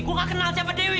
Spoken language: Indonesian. gue gak kenal siapa dewi